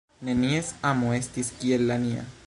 Nenies amo estis kiel la nia.